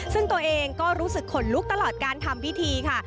ซึ่งตัวเองก็รู้สึกขนลุกตลอดการทำพิธีค่ะ